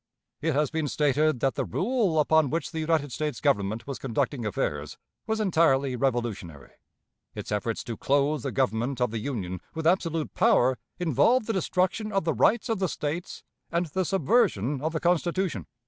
It has been stated that the rule upon which the United States Government was conducting affairs was entirely revolutionary. Its efforts to clothe the Government of the Union with absolute power involved the destruction of the rights of the States and the subversion of the Constitution.